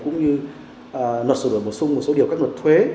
cũng như luật sử dụng và bổ sung một số điều các luật thuế